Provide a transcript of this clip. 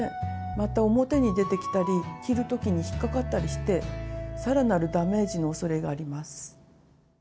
また表に出てきたり着る時に引っ掛かったりしてさらなるダメージのおそれがあります。